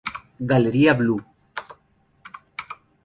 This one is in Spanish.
Galería Blue.